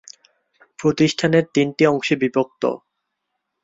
প্রতিষ্ঠানের তিনটি অংশে বিভক্ত।